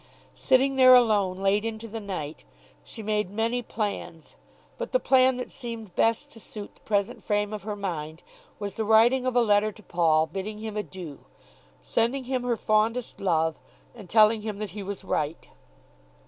Sitting there alone late into the night she made many plans, but the plan that seemed best to suit the present frame of her mind was the writing of a letter to Paul bidding him adieu, sending him her fondest love, and telling him that he was right.